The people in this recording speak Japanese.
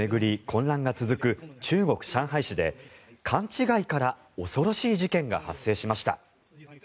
混乱が続く中国・上海市で勘違いから恐ろしい事件が発生しました。